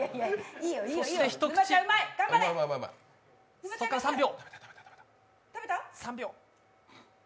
そして一口そこから３秒。